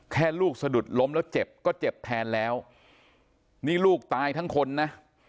ลูกสะดุดล้มแล้วเจ็บก็เจ็บแทนแล้วนี่ลูกตายทั้งคนนะ